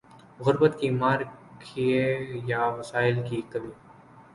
غربت کی مار کہیے یا وسائل کی کمی۔